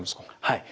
はい。